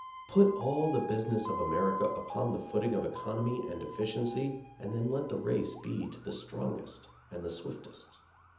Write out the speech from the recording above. Put all the business of America upon the footing of economy and efficiency, and then let the race be to the strongest and the swiftest.